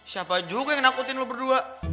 siapa juga yang nakutin lu berdua